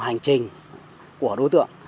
hành trình của đối tượng